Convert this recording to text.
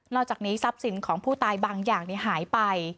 อกจากนี้ทรัพย์สินของผู้ตายบางอย่างหายไป